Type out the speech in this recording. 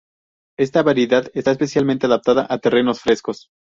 Esta variedad está especialmente adaptada a terrenos frescos.